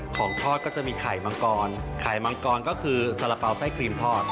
ของทอดก็จะมีไข่มังกรไข่มังกรก็คือสาระเป๋าไส้ครีมทอด